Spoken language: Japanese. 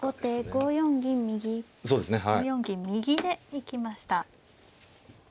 ５四銀右で行きました。